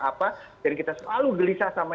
apa dan kita selalu gelisah sama